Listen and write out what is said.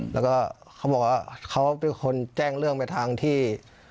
แล้วก็เขาบอกว่าเขาเป็นคนแจ้งเรื่องไปทางที่